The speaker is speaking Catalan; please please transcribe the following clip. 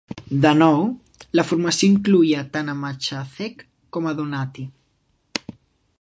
De nou, la formació incloïa tant a Machacek com a Donati.